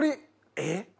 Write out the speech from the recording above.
えっ？